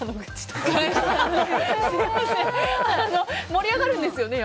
盛り上がるんですよね。